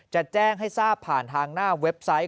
จะแจ้งให้ทราบผ่านทางหน้าเว็บไซต์